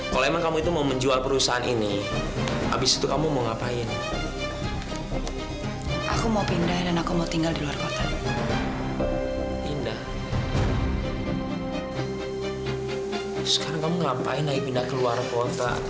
sekarang kamu ngapain naik pindah ke luar kota